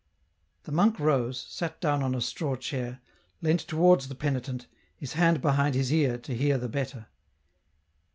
The monk rose, sat down on a straw chair, leant to wards the penitent, his hand behind his ear to hear the better.